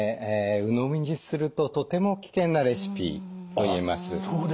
うのみにするととても危険なレシピといえます。